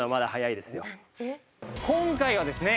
今回はですね